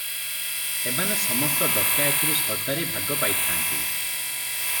ଏମାନେ ସମସ୍ତ ଡକାଏତିରୁ ସର୍ଦ୍ଦାରି ଭାଗ ପାଇଥାନ୍ତି ।